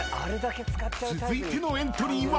［続いてのエントリーは？］